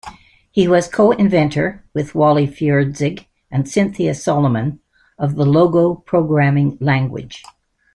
He was co-inventor, with Wally Feurzeig and Cynthia Solomon, of the Logo programming language.